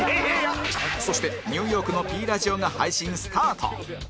そしてニューヨークの Ｐ ラジオが配信スタート